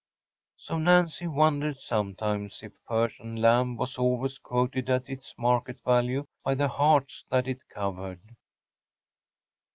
So, Nancy wondered sometimes if Persian lamb was always quoted at its market value by the hearts that it covered.